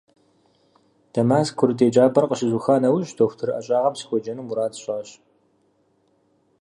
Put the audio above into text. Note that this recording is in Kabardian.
Дамаск курыт еджапӀэр къыщызуха нэужь, дохутыр ӀэщӀагъэм сыхуеджэну мурад сщӀащ.